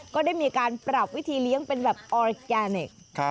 ก็ได้มีการปรับวิธีเลี้ยงเป็นแบบออร์แกนิค